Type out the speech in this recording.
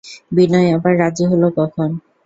বিনয় আবার রাজি হল কখন?